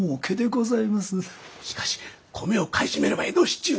しかし米を買い占めれば江戸市中が！